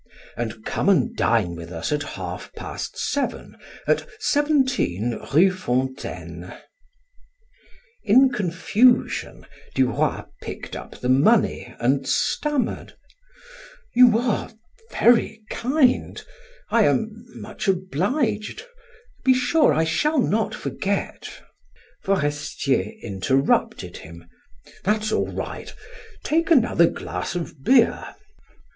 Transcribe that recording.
And come and dine with us at half past seven, at 17 Rue Fontaine." In confusion Duroy picked up the money and stammered: "You are very kind I am much obliged be sure I shall not forget." Forestier interrupted him: "That's all right, take another glass of beer.